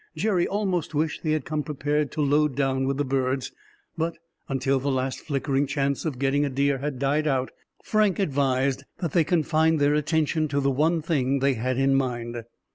Jerry almost wished they had come prepared to load down with the birds; but until the last flickering chance of getting a deer had died out, Frank advised that they confine their attention to the one thing they had in mind.